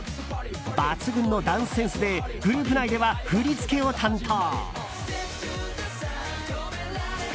抜群のダンスセンスでグループ内では振り付けを担当。